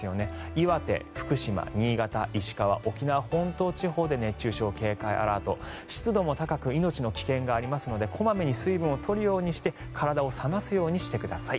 岩手、福島、新潟、石川沖縄本島地方で熱中症警戒アラート湿度も高く命の危険がありますので小まめに水分を取るようにして体を冷ますようにしてください。